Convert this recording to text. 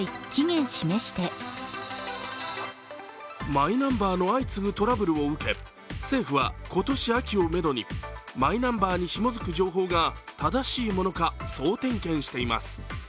マイナンバーの相次ぐトラブルを受け政府は今年秋をめどにマイナンバーにひもづく情報が正しいものか総点検しています。